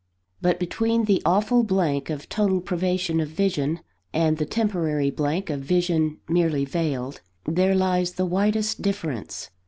But between the awful blank of total privation of vision, and the temporary blank of vision merely veiled, there lies the widest difference.